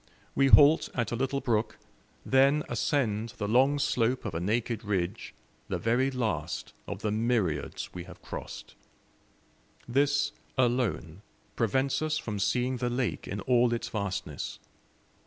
We halt at a little brook, then ascend the long slope of a naked ridge, the very last of the myriads we have crossed. This alone prevents us from seeing the lake in all its vastness.